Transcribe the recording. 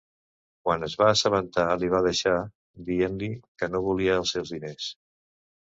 Quan es va assabentar li va deixar dient-li que no volia els seus diners.